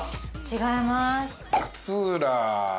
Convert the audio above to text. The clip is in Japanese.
違います。